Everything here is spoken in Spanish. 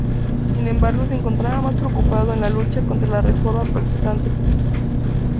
Sin embargo, se encontraba más preocupado en la lucha contra la Reforma Protestante.